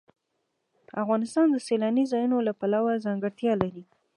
افغانستان د سیلاني ځایونو له پلوه ځانګړتیاوې لري.